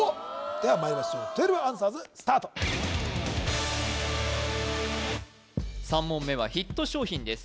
ではまいりましょう１２アンサーズスタート３問目はヒット商品です